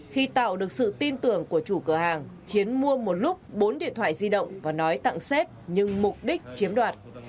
khi tạo được sự tin tưởng của chủ cửa hàng chiến mua một lúc bốn điện thoại di động và nói tặng xếp nhưng mục đích chiếm đoạt